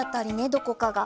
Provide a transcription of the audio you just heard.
どこかが。